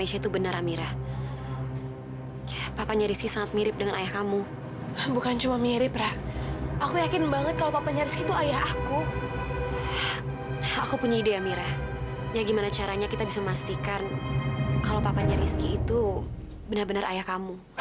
sampai jumpa di video selanjutnya